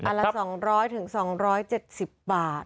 อันละ๒๐๐๒๗๐บาท